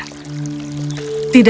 tidak mengerti blula